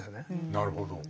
なるほど。